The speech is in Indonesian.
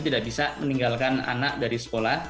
tidak bisa meninggalkan anak dari sekolah